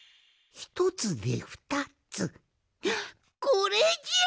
これじゃ！